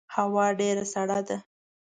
هوا ډیره سړه ده